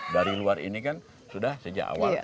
dari luar ini kan sudah sejak awal